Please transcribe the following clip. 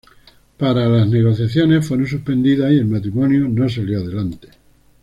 Pero las negociaciones fueron suspendidas y el matrimonio no salió adelante.